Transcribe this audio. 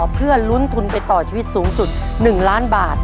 เพื่อลุ้นทุนไปต่อชีวิตสูงสุด๑ล้านบาท